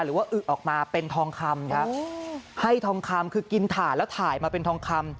อึกออกมาเป็นทองคำครับให้ทองคำคือกินถ่านแล้วถ่ายมาเป็นทองคำ